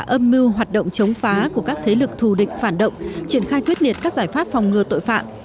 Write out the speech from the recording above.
âm mưu hoạt động chống phá của các thế lực thù địch phản động triển khai quyết liệt các giải pháp phòng ngừa tội phạm